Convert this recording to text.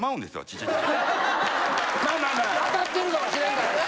まあまあ当たってるかもしれんからな。